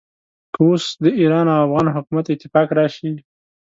که اوس د ایران او افغان حکومت اتفاق راشي.